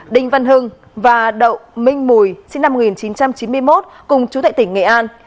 đinh văn hưng và đậu minh mùi sinh năm một nghìn chín trăm chín mươi một cùng chú thệ tỉnh nghệ an